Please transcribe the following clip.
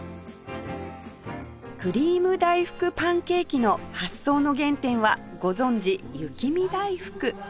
クリーム大福パンケーキの発想の原点はご存じ雪見だいふく